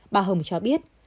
bà hồng cho biết